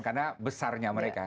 karena besarnya mereka